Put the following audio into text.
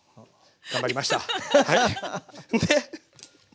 頑張りましたはい。